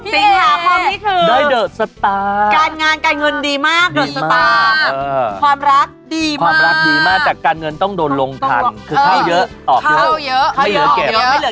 พี่เอ๊ได้เดอะสตาร์ดีมากความรักดีมากแต่การเงินต้องโดนลงทันคือเข้าเยอะออกเยอะไม่เหลือเก็บ